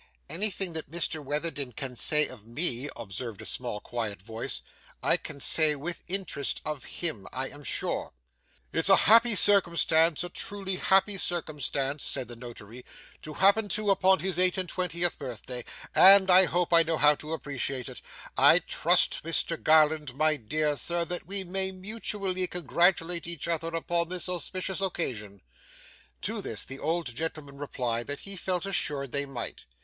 'Anything that Mr Witherden can say of me,' observed a small quiet voice, 'I can say, with interest, of him, I am sure.' 'It's a happy circumstance, a truly happy circumstance,' said the Notary, 'to happen too upon his eight and twentieth birthday, and I hope I know how to appreciate it. I trust, Mr Garland, my dear Sir, that we may mutually congratulate each other upon this auspicious occasion.' To this the old gentleman replied that he felt assured they might.